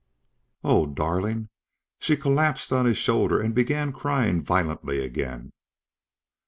"Oh, darling!" She collapsed on his shoulder and began crying violently again.